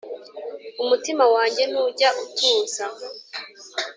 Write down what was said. Umutima wange ntujya utuza